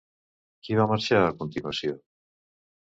Qui va marxar a continuació?